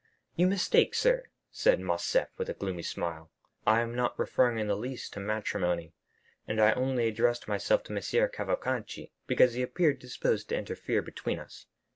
"You mistake, sir," said Morcerf with a gloomy smile; "I am not referring in the least to matrimony, and I only addressed myself to M. Cavalcanti because he appeared disposed to interfere between us.